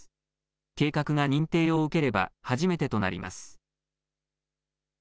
計画が認定を受ければ初めてとなります。